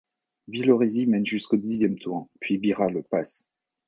Villoresi mène jusqu'au dixième tour, puis Bira le passe.